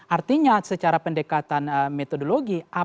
artinya secara pendekatan metodologi